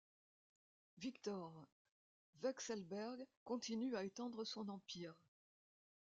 Viktor Vekselberg continue à étendre son empire.